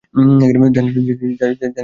জানি না, আপস্টেটে।